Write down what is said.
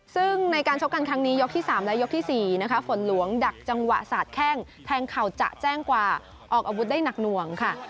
ซึ่งในการชกกันครั้งนี้ยกที่๓และยกที่๔นะคะฝนหลวงดักจังหวะสาดแข้งแทงเข่าจะแจ้งกว่าออกอาวุธได้หนักหน่วงค่ะ